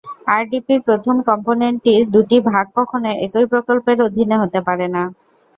আরডিপির প্রথম কম্পোনেন্টটির দুটি ভাগ কখনো একই প্রকল্পের অধীনে হতে পারে না।